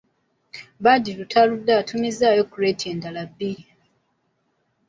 Badru taludde atumizzaayo kuleeti endala bbiri!